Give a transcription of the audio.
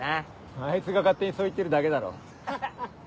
あいつが勝手にそう言ってるだけだろ。ハハハ。